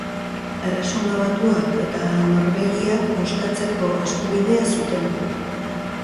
Erresuma Batuak eta Norvegiak bozkatzeko eskubidea zuten.